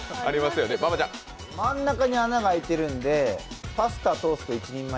真ん中に穴が開いてるので、パスタ通すと１人前。